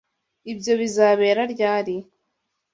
Ibyo bizabera ryari?